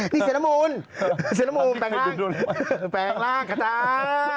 นี่เสนมูลเสนมูลแปลงร่างแปลงร่างค่ะจ๊า